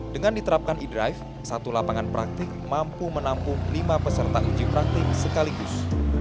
dengan diterapkan e drive satu lapangan praktik mampu menampung lima peserta uji praktik sekaligus